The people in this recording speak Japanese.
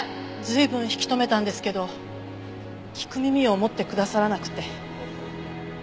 随分引き留めたんですけど聞く耳を持ってくださらなくて。